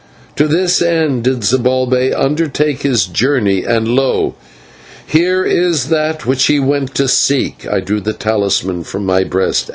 To this end did Zibalbay undertake his journey, and lo! here is that which he went to seek " and I drew the talisman from my breast.